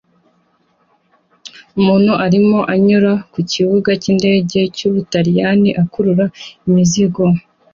Umuntu arimo anyura ku kibuga cy'indege cy'Ubutaliyani akurura imizigo